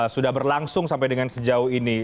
sudah berlangsung sampai dengan sejauh ini